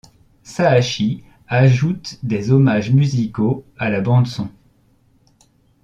Sahashi ajoute des hommages musicaux à la bande son.